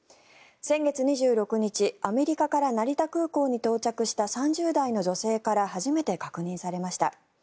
先月２６日アメリカから成田空港に到着した３０代の女性から初めて確認されました。